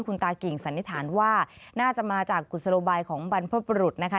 คุณตากิ่งสันนิษฐานว่าน่าจะมาจากกุศโลบายของบรรพบรุษนะคะ